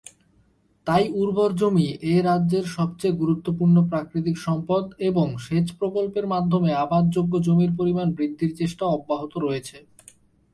তাই উর্বর জমি এ রাজ্যের সবচেয়ে গুরুত্বপূর্ণ প্রাকৃতিক সম্পদ, এবং সেচ প্রকল্পের মাধ্যমে আবাদযোগ্য জমির পরিমাণ বৃদ্ধির চেষ্টা অব্যাহত রয়েছে।